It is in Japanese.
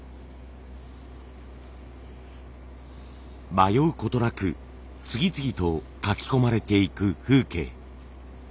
迷うことなく次々と描き込まれていく風景。